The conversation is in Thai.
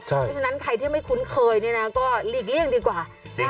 เพราะฉะนั้นใครที่ไม่คุ้นเคยก็หลีกเลี่ยงดีกว่า